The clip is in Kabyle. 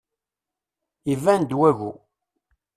Iban-d wabu.